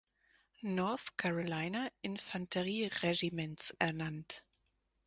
North Carolina Infanterieregiments ernannt.